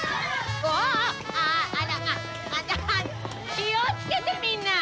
気をつけてみんな！